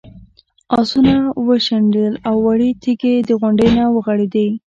آسونه وشڼېدل او وړې تیږې د غونډۍ نه ورغړېدې.